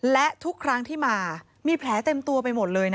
และทุกครั้งที่มามีแผลเต็มตัวไปหมดเลย